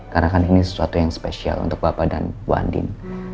karena kan ini sesuatu yang spesial untuk bapak dan bu andien